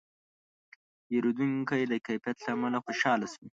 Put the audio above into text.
پیرودونکی د کیفیت له امله خوشاله شو.